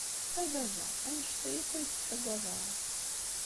A baba, anect-a akk ay tettagadeḍ?